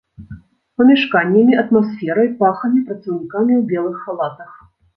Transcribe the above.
Памяшканнямі, атмасферай, пахамі, працаўнікамі ў белых халатах.